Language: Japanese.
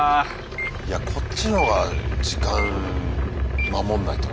いやこっちのほうが時間守んないとね。